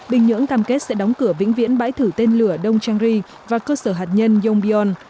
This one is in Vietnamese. bình nhưỡng cam kết sẽ đóng cửa vĩnh viễn bãi thử tên lửa đông changri và cơ sở hạt nhân yongbyon